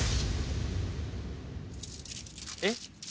えっ？